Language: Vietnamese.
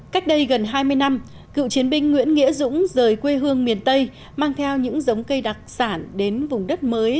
cách đây gần hai mươi năm cựu chiến binh nguyễn nghĩa dũng rời quê hương miền tây mang theo những giống cây đặc sản đến vùng đất mới